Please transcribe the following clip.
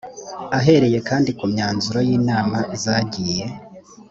ahereye kandi ku myanzuro y inama zagiye